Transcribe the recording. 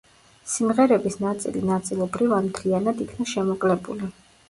სიმღერების ნაწილი ნაწილობრივ ან მთლიანად იქნა შემოკლებული.